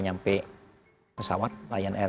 nyampe pesawat lion air